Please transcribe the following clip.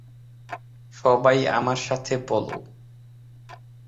সবাই আমার সাথে বলো।